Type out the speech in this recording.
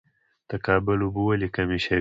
د کابل اوبه ولې کمې شوې؟